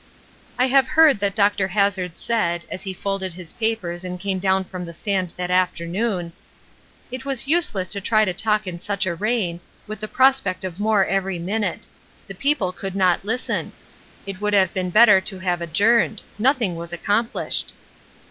I have heard that Mr. Hazard said, as he folded his papers and came down from the stand that afternoon, "It was useless to try to talk in such a rain, with the prospect of more every minute. The people could not listen. It would have been better to have adjourned. Nothing was accomplished."